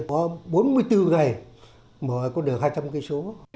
có bốn mươi bốn ngày mở con đường hai trăm linh km